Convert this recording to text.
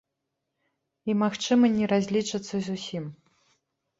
І, магчыма, не разлічацца зусім.